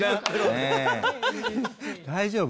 大丈夫？